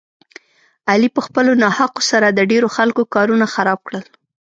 علي په خپلو ناحقو سره د ډېرو خلکو کارونه خراب کړل.